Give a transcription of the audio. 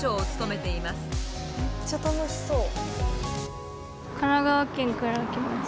めっちゃ楽しそう。